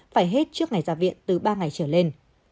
phải hết trước ngày ra viện từ ba ngày trở lên